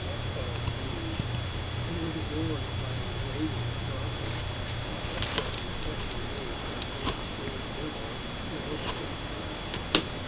Westall's Views, and it was adorned by an engraving of Bromley's, after a drawing specially made by Sir George Beaumont to illustrate the poem.